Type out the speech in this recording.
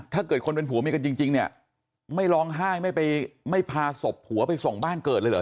ถ้าเกิดคนเป็นผัวเมียกันจริงเนี่ยไม่ร้องไห้ไม่ไปไม่พาศพผัวไปส่งบ้านเกิดเลยเหรอ